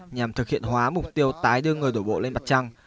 nhằm thực hiện hóa mục tiêu tái đưa người đổ bộ lên mặt trăng